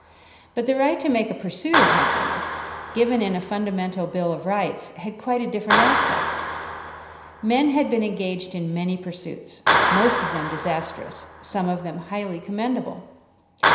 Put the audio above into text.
But the right to make a pursuit of happiness, given in a fundamental bill of rights, had quite a different aspect. Men had been engaged in many pursuits, most of them disastrous, some of them highly commendable.